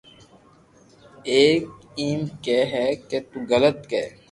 ڪي ايم ڪين ھي ڪي تو غلط ڪي